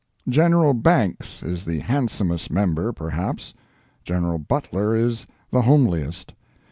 General Banks is the handsomest member, perhaps. General Butler is the homeliest.